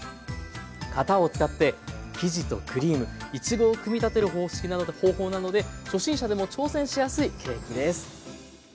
型を使って生地とクリームいちごを組み立てる方法なので初心者でも挑戦しやすいケーキです。